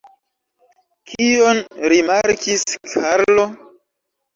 Kion rimarkis Karlo?